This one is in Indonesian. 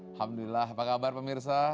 alhamdulillah apa kabar pemirsa